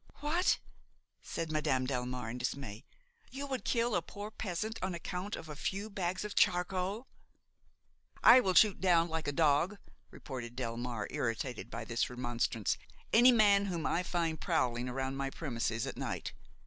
"What!" said Madame Delmare in dismay, "you would kill a poor peasant on account of a few bags of charcoal?" "I will shoot down like a dog," retorted Delmare, irritated by this remonstrance, "any man whom I find prowling around my premises at night.